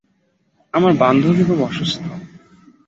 আমার বান্ধবী খুব অসুস্থ।